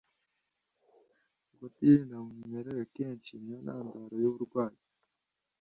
Ukutirinda mu mirire akenshi ni yo ntandaro yuburwayi